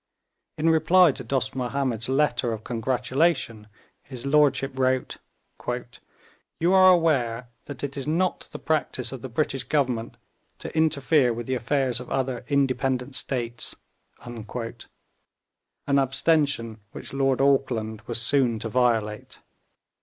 In reply to Dost Mahomed's letter of congratulation, his lordship wrote: 'You are aware that it is not the practice of the British Government to interfere with the affairs of other independent states;' an abstention which Lord Auckland was soon to violate.